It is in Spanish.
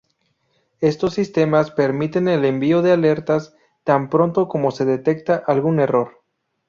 Estos sistemas permiten el envío de alertas tan pronto como se detecta algún error.